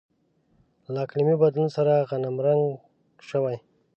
له اقلیمي بدلون سره غنمرنګ شوي.